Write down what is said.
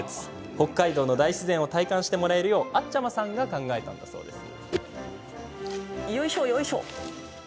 北海道の大自然を体感してもらえるようあっちゃまさんが考えたそうです。